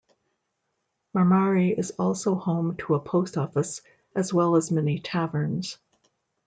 Marmari is also home to a post office, as well as many taverns.